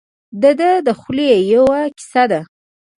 دده د خولې یوه کیسه ده.